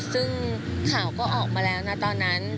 ซึ่งข่าวก็ออกมาแล้วนะตอนนั้น